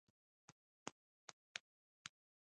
بل يې هغه ټونګه کړ غلى سه.